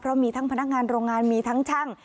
เพราะมีทั้งพนักงานโรงงานมีทั้งช่าง